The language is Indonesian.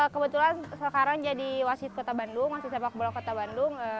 kebetulan sekarang jadi wasit kota bandung wasit sepak bola kota bandung